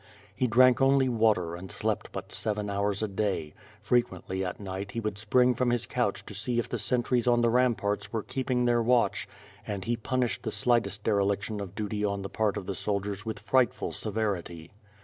He drank only water and slept but seven hours a day; frequently at night he would spring from his couch to see if the sentries on the ramparts were keeping their watch and he punished the slightest dereliction of duty on the part of the soldiers with frightful severity.